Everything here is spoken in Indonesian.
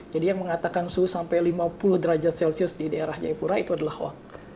jadi yang mengatakan suhu sampai lima puluh derajat celcius di daerah jaipura itu adalah waktu